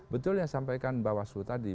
betul yang disampaikan bawah selu tadi